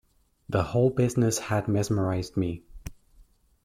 The whole business had mesmerised me.